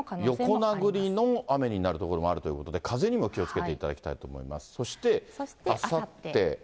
横殴りの雨になる所もあるということで、風にも気をつけていそしてあさって。